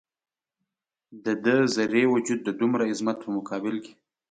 د ده ذرې وجود د دومره عظمت په مقابل کې.